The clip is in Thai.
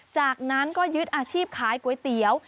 จากนั้นก็ยึดอาชีพขายก๋วยเตี๋ยว